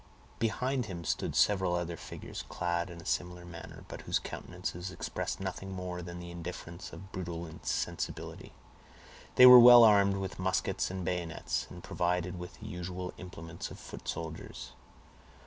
Behind him stood several other figures clad in a similar manner, but whose countenances expressed nothing more than the indifference of brutal insensibility. They were well armed with muskets and bayonets, and provided with the usual implements of foot soldiers.